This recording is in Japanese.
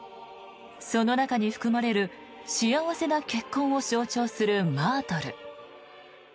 その中に含まれる「幸せな結婚」を象徴するマートル。